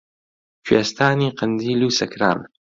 کوێستانی قەندیل و سەکران